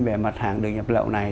về mặt hàng đường nhập lậu này